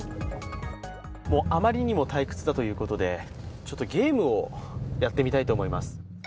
もうあまりにも退屈だということで、ちょっとゲームをやってみたいと思います。